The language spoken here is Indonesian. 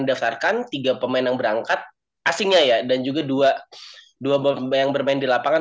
daftarkan tiga pemain yang berangkat asingnya ya dan juga dua pemain yang bermain di lapangan